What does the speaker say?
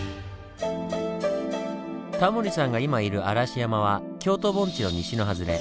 タモリさんが今いる嵐山は京都盆地の西の外れ。